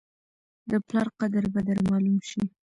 د پلار قدر به در معلوم شي !